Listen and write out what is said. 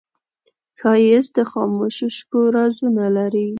ښایست د خاموشو شپو رازونه لري